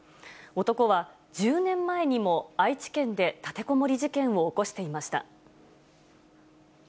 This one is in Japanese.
男は１０年前にも愛知県で立てこもり事件を起こしていました。